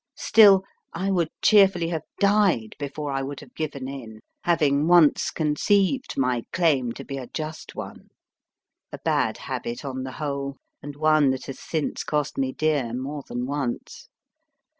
Still, I would cheerfully have died before I would have given in, having once conceived my claim to be a just STRANGE WINTER 253 one. A bad habit on the whole, and one that has since cost me dear more than once.